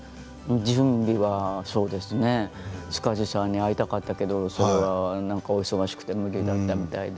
準備はそうですね塚地さんに会いたかったけどそれはなんかお忙しくて無理だったみたいで。